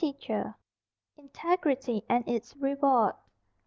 [Pg 61] INTEGRITY, AND ITS REWARD.